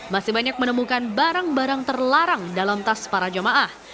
masih banyak menemukan barang barang terlarang dalam tas para jamaah